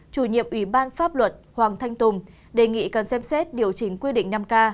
chủ nhiệm ủy ban pháp luật hoàng thanh tùng đề nghị cần xem xét điều chỉnh quy định năm k